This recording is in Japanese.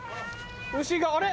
牛があれ？